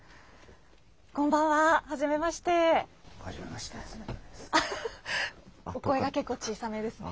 こんばんは、初めまして、お声が結構小さめですね。